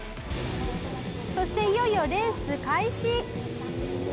そしていよいよレース開始。